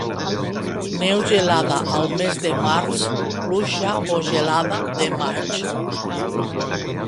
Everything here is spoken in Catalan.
Neu gelada al mes de març, pluja o gelada de maig.